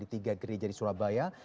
di tiga gereja di surabaya